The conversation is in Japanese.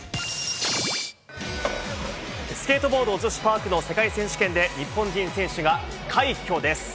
スケートボード女子パークの世界選手権で日本人選手が快挙です。